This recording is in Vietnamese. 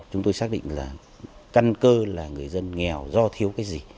chúng tôi xác định là căn cơ là người dân nghèo do thiếu cái gì